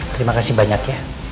terima kasih banyak ya